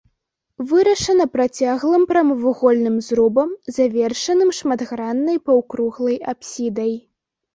Вырашана працяглым прамавугольным зрубам, завершаным шматграннай паўкруглай апсідай.